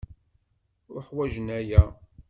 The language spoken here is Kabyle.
Uḥwaǧen aya.